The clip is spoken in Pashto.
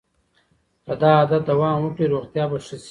که دا عادت دوام وکړي روغتیا به ښه شي.